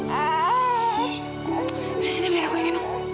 pergi sini biar aku yang ini non